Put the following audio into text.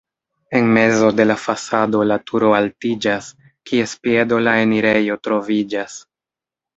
En mezo de la fasado la turo altiĝas, kies piedo la enirejo troviĝas.